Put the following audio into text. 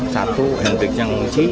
satu handbrake nya menguji